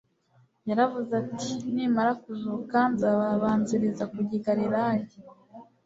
Yaravuze ati: "Nimara kuzuka nzababanziriza kujya i Galilaya.'`